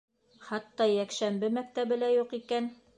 Хатта йәкшәмбе мәктәбе лә юҡ икән.